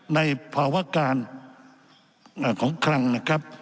ในภาวะการของคลังนะครับ